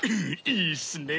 いいっすね。